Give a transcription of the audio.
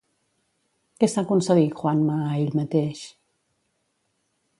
Què s'ha concedit Juanma a ell mateix?